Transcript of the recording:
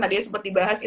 tadi ya sempet dibahas